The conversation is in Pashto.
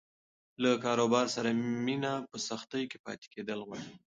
له کاروبار سره مینه په سختۍ کې پاتې کېدل غواړي.